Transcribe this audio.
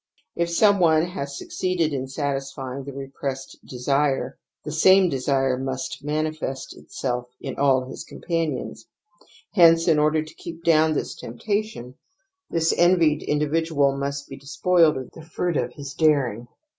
If some one has succeeded in satisfy ing the repressed desire, the same desire must manifest itself in all his companions ; hence, in . order to keep down this temptation, this envied individual must be despoiled of the fruit of his THE AMBIVALENCE OP EMOTIONS 121 daring.